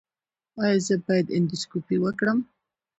ایا زه باید اندوسکوپي وکړم؟